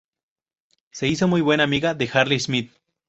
Se hizo muy buena amiga de Hayley Smith.